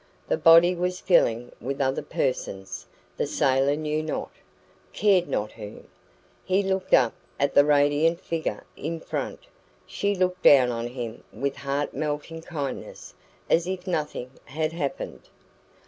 The body was filling with other persons the sailor knew not, cared not whom. He looked up at the radiant figure in front. She looked down on him with heart melting kindness, as if nothing had happened.